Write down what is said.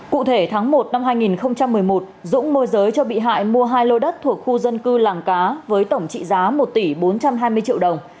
cụ thể tháng một năm hai nghìn một mươi một dũng môi giới cho bị hại mua hai lô đất thuộc khu dân cư làng cá với tổng trị giá một tỷ bốn trăm hai mươi triệu đồng